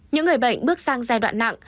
những người bệnh bước sang giai đoạn nặng